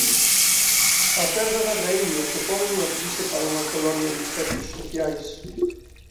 A perda da raíña supón unha crise para unha colonia de insectos sociais.